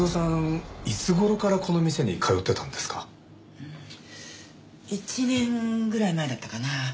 うーん１年ぐらい前だったかな。